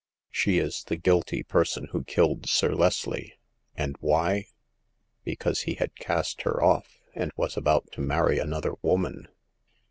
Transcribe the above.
She is the guilty person who killed Sir Leslie. And why ? Because he had cast her off, and was about to marry another woman."